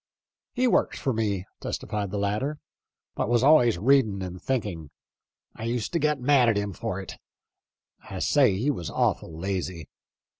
" He worked for me," testifies the latter, " but was always reading and thinking. I used to get mad at him for it. I say he was awful lazy.